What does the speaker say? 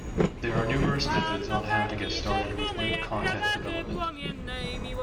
There are numerous methods on how to get started with web content development.